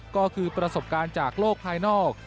ก็คือประสบการณ์จากโลกภายนอก